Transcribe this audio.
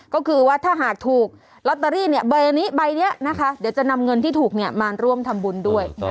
ก็คือว่าถ้าหากถูกลอตเตอรี่ใบนี้ใบนี้นะคะเดี๋ยวจะนำเงินที่ถูกมาร่วมทำบุญด้วย